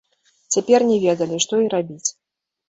Цяпер не ведалі, што і рабіць.